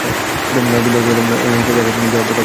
নার্সদের বের করে নাও বাইরে যাওয়ার পথ অবরুদ্ধ।